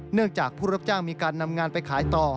เนื่องจากผู้รับจ้างมีการนำงานไปขายต่อ